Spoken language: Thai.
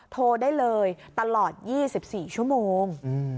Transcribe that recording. โทรได้เลยตลอด๒๔ชั่วโมง